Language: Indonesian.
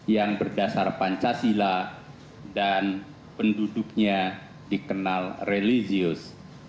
yang berdasar pancasila dan penduduknya dikenal religius